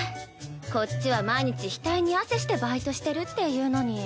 こっちは毎日額に汗してバイトしてるっていうのに。